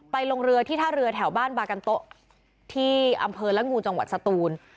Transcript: ลงเรือที่ท่าเรือแถวบ้านบากันโต๊ะที่อำเภอละงูจังหวัดสตูน